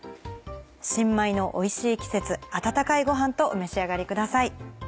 新米のおいしい季節温かいご飯とお召し上がりください。